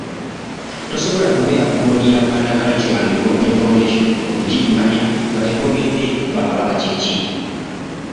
Tosobola kubeera ku boodi ya Buganda Cultural And Development Foundation okugiddukanya nga tetwogedde bwakabaka kye ki.